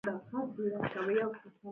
دا نیوکه په ښه توګه تحلیل شوې ده.